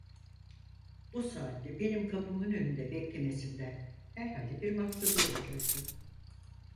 Bu saatte benim kapımın önünde beklemesinde herhalde bir maksadı olacaktı.